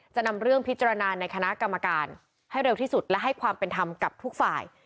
จะนำเรื่องพิจารณาในคณะกรรมการให้เร็วที่สุดและให้ความเป็นธรรมกับทุกฝ่าย